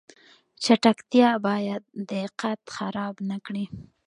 چټکتیا باید دقت خراب نکړي